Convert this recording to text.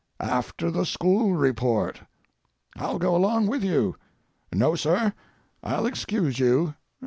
"After the school report." "I'll go along with you." "No, Sir. I'll excuse you."